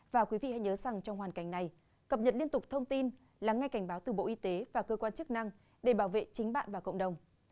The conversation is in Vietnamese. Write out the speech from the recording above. và quý vị hãy nhớ rằng trong hoàn cảnh này cập nhật liên tục thông tin lắng nghe cảnh báo từ bộ y tế và cơ quan chức năng để bảo vệ chính bạn và cộng đồng